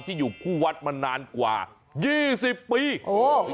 ที่อยู่คู่วัดมานานกว่า๒๐ปี